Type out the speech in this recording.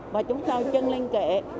và chúng tôi chân lên kệ